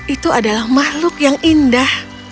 itu adalah makhluk yang indah